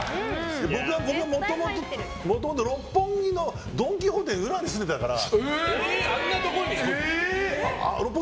僕はもともと六本木のドン・キホーテの裏に住んでたから。